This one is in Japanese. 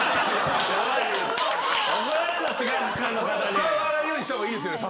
使わないようにした方がいいですよね